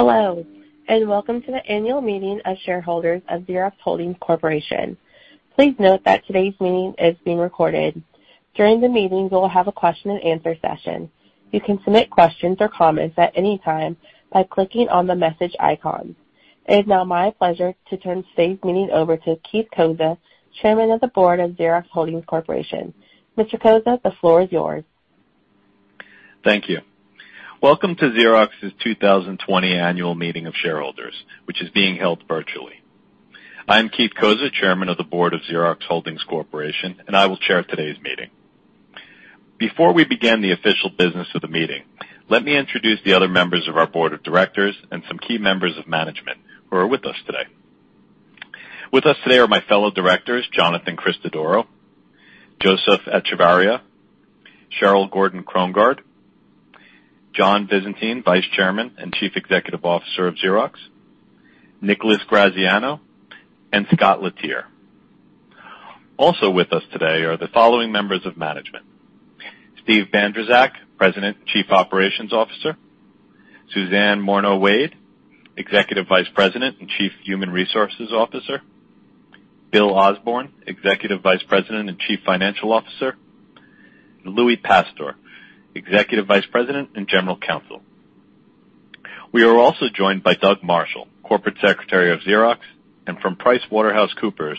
Hello, and welcome to the annual meeting of shareholders of Xerox Holdings Corporation. Please note that today's meeting is being recorded. During the meeting, we will have a question and answer session. You can submit questions or comments at any time by clicking on the message icon. It is now my pleasure to turn today's meeting over to Keith Cozza, Chairman of the Board of Xerox Holdings Corporation. Mr. Cozza, the floor is yours. Thank you. Welcome to Xerox's 2020 annual meeting of shareholders, which is being held virtually. I'm Keith Cozza, Chairman of the Board of Xerox Holdings Corporation, and I will chair today's meeting. Before we begin the official business of the meeting, let me introduce the other members of our board of directors and some key members of management who are with us today. With us today are my fellow directors, Jonathan Christodoro, Joseph Echevarria, Cheryl Gordon Krongard, John Visentin, Vice Chairman and Chief Executive Officer of Xerox, Nicholas Graziano, and Scott Letier. Also with us today are the following members of management: Steve Bandrowczak, President and Chief Operations Officer, Suzan Morno-Wade, Executive Vice President and Chief Human Resources Officer, Bill Osborne, Executive Vice President and Chief Financial Officer, Louie Pastor, Executive Vice President and General Counsel. We are also joined by Doug Marshall, Corporate Secretary of Xerox, and from PricewaterhouseCoopers,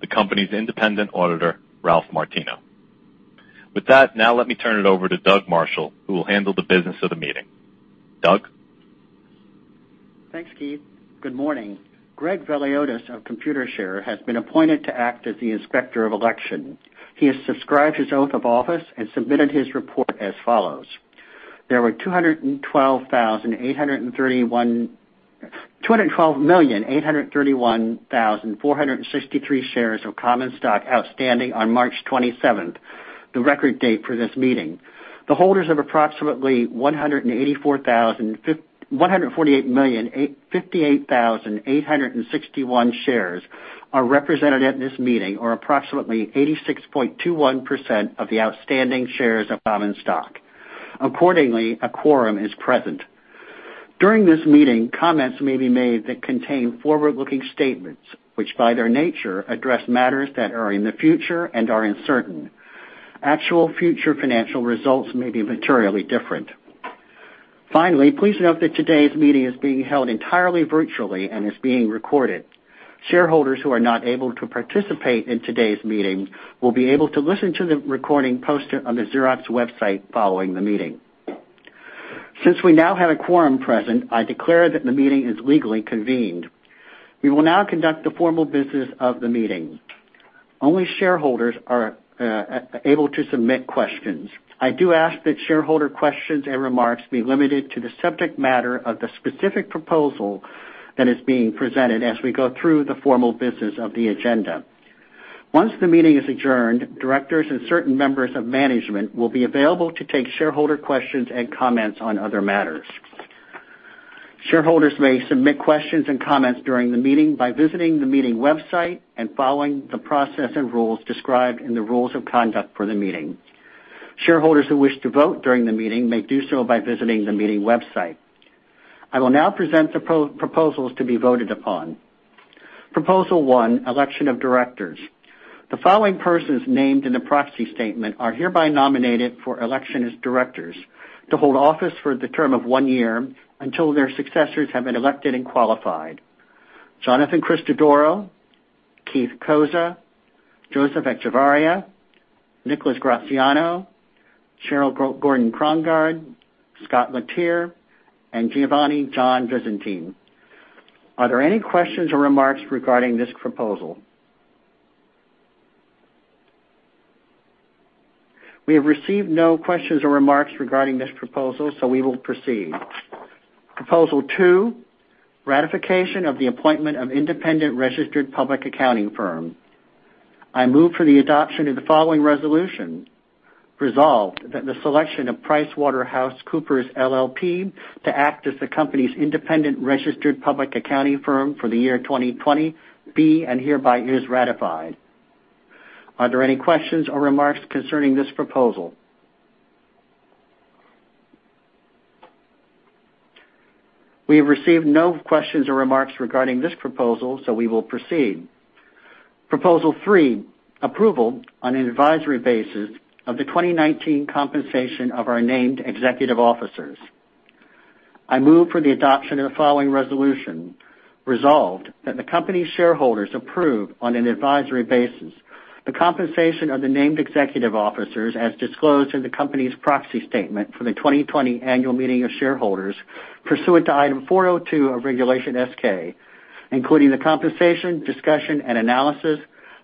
the company's independent auditor, Ralph Martino. With that, now let me turn it over to Doug Marshall, who will handle the business of the meeting. Doug? Thanks, Keith. Good morning. Greg Veliotis of Computershare has been appointed to act as the Inspector of Election. He has subscribed his oath of office and submitted his report as follows: There were 212,831,463 shares of common stock outstanding on March twenty-seventh, the record date for this meeting. The holders of approximately 148,858,861 shares are represented at this meeting, or approximately 86.21% of the outstanding shares of common stock. Accordingly, a quorum is present. During this meeting, comments may be made that contain forward-looking statements, which, by their nature, address matters that are in the future and are uncertain. Actual future financial results may be materially different. Finally, please note that today's meeting is being held entirely virtually and is being recorded. Shareholders who are not able to participate in today's meeting will be able to listen to the recording posted on the Xerox website following the meeting. Since we now have a quorum present, I declare that the meeting is legally convened. We will now conduct the formal business of the meeting. Only shareholders are able to submit questions. I do ask that shareholder questions and remarks be limited to the subject matter of the specific proposal that is being presented as we go through the formal business of the agenda. Once the meeting is adjourned, directors and certain members of management will be available to take shareholder questions and comments on other matters. Shareholders may submit questions and comments during the meeting by visiting the meeting website and following the process and rules described in the rules of conduct for the meeting. Shareholders who wish to vote during the meeting may do so by visiting the meeting website. I will now present the proposals to be voted upon. Proposal one, election of directors. The following persons named in the proxy statement are hereby nominated for election as directors to hold office for the term of one year until their successors have been elected and qualified. Jonathan Christodoro, Keith Cozza, Joseph Echevarria, Nicholas Graziano, Cheryl Gordon Krongard, Scott Letier, and Giovanni John Visentin. Are there any questions or remarks regarding this proposal? We have received no questions or remarks regarding this proposal, so we will proceed. Proposal two, ratification of the appointment of independent registered public accounting firm. I move for the adoption of the following resolution. Resolved that the selection of PricewaterhouseCoopers LLP to act as the company's independent registered public accounting firm for the year 2020 be and hereby is ratified. Are there any questions or remarks concerning this proposal? We have received no questions or remarks regarding this proposal, so we will proceed. Proposal three, approval on an advisory basis of the 2019 compensation of our named executive officers. I move for the adoption of the following resolution. Resolved that the company's shareholders approve, on an advisory basis, the compensation of the named executive officers as disclosed in the company's proxy statement for the 2020 annual meeting of shareholders, pursuant to Item 402 of Regulation S-K, including the compensation discussion and analysis,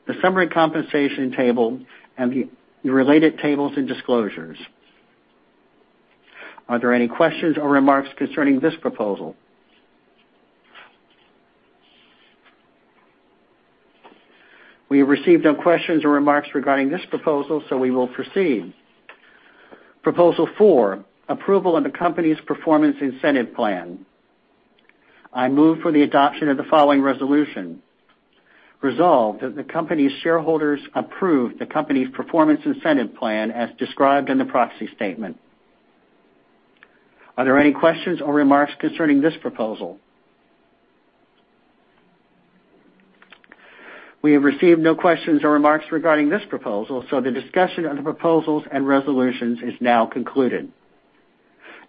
the summary compensation table, and the related tables and disclosures. Are there any questions or remarks concerning this proposal? We have received no questions or remarks regarding this proposal, so we will proceed. Proposal 4, approval of the company's performance incentive plan. I move for the adoption of the following resolution.... resolved that the company's shareholders approved the company's performance incentive plan as described in the proxy statement. Are there any questions or remarks concerning this proposal? We have received no questions or remarks regarding this proposal, so the discussion of the proposals and resolutions is now concluded.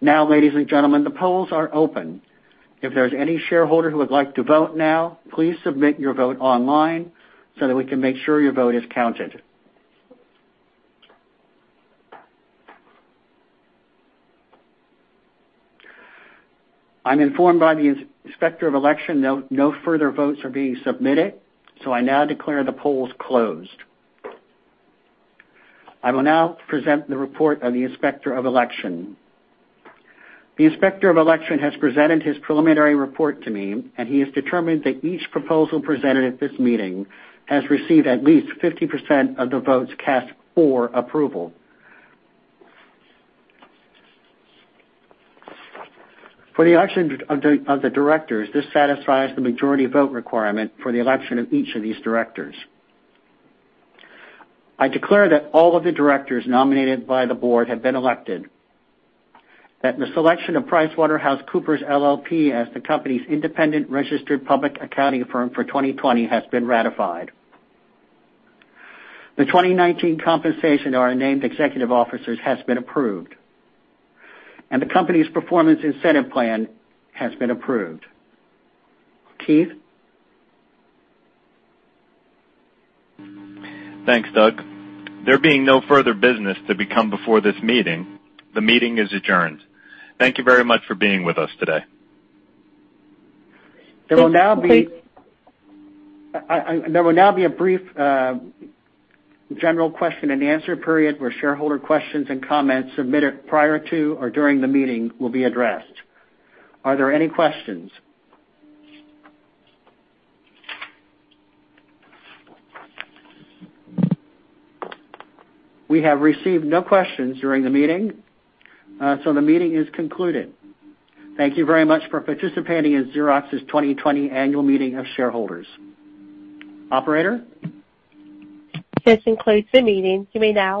Now, ladies and gentlemen, the polls are open. If there's any shareholder who would like to vote now, please submit your vote online so that we can make sure your vote is counted. I'm informed by the Inspector of Election no, no further votes are being submitted, so I now declare the polls closed. I will now present the report of the Inspector of Election. The Inspector of Election has presented his preliminary report to me, and he has determined that each proposal presented at this meeting has received at least 50% of the votes cast for approval. For the election of the directors, this satisfies the majority vote requirement for the election of each of these directors. I declare that all of the directors nominated by the board have been elected, that the selection of PricewaterhouseCoopers LLP as the company's independent registered public accounting firm for 2020 has been ratified. The 2019 compensation to our named executive officers has been approved, and the company's performance incentive plan has been approved. Keith? Thanks, Doug. There being no further business to come before this meeting, the meeting is adjourned. Thank you very much for being with us today. There will now be- Thank you. There will now be a brief general question and answer period, where shareholder questions and comments submitted prior to or during the meeting will be addressed. Are there any questions? We have received no questions during the meeting, so the meeting is concluded. Thank you very much for participating in Xerox's 2020 Annual Meeting of Shareholders. Operator? This concludes the meeting. You may now disconnect.